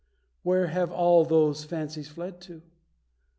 Where have all those fancies fled to?